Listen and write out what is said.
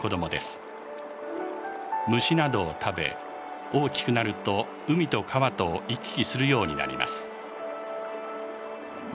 虫などを食べ大きくなると海と川とを行き来するようになります。